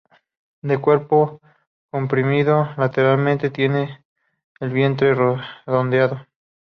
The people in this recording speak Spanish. De cuerpo comprimido lateralmente, tiene el vientre redondeado.